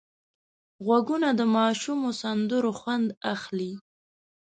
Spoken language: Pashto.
غوږونه د ماشومو سندرو خوند اخلي